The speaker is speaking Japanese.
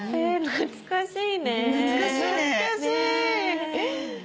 懐かしい。